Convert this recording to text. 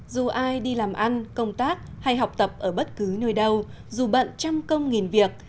dù ai đi làm ăn công tác hay học tập ở bất cứ nơi đâu dù bận trăm công nghìn việc